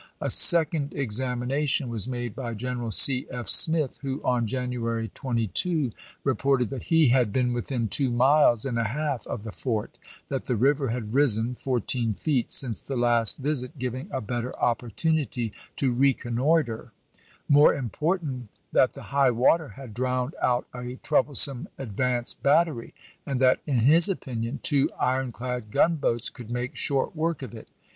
A second examination was made by Greneral C. F. Smith, who on January 22 reported that he had been within two miles and a half of the fort; that the river had risen fourteen feet since the last visit, giving a better opportunity to reconnoiter; more important, that the high water had drowned out a trouble smith to some advance battery, and that, in his opinion, "^^Ge^f"^" two iron clad gunboats could make short work i862^°w.r. . Vol VII , of it.